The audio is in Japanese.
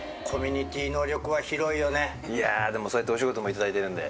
そうやってお仕事も頂いてるんで。